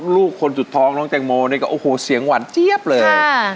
ลูกคนจุดท้องพี่แจงโมเสียงหวานเจี๊ยบเลย